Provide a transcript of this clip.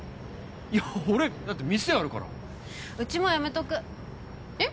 いや俺だって店あるからうちもやめとくえっ？